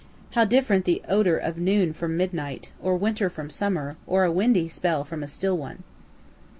How different the odor of noon from midnight, or winter from summer, or a windy spell from a still one.)